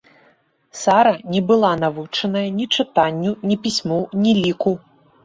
Сара не была навучаная ні чытанню, ні пісьму, ні ліку.